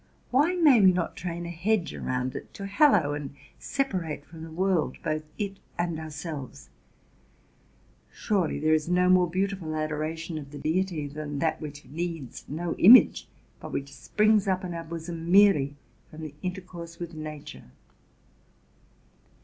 why may we not train a hedge around it, to hallow and separate from the world both it and ourselves ! Surely there is no more beautiful adoration of the Deity than that which needs no image, but which springs up in our bosom merely from the intercourse with nature!